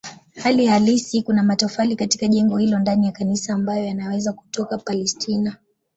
Hali halisi kuna matofali katika jengo hilo ndani ya kanisa ambayo yanaweza kutoka Palestina.